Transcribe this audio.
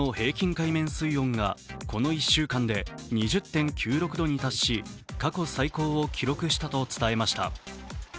海面水温がこの１週間で２０．９６度に達し過去最高を記録したと伝えました。